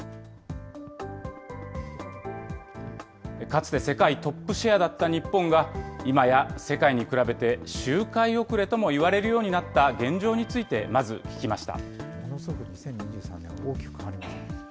かつて世界トップシェアだった日本が、今や世界に比べて周回遅れともいわれるようになった現状について、まず聞きました。